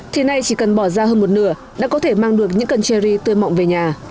thì nay chỉ cần bỏ ra hơn một nửa đã có thể mang được những cân cherry tươi mọng về nhà